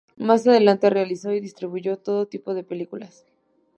Más adelante realizó y distribuyó todo tipo de películas.